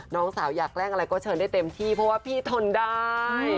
น้องสาวอยากแกล้งอะไรก็เชิญได้เต็มที่เพราะว่าพี่ทนได้